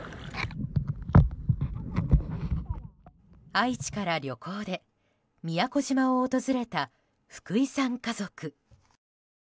愛知から旅行で宮古島を訪れた福井さん家族。